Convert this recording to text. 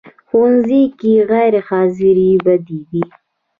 ښوونځی کې غیر حاضرې بدې دي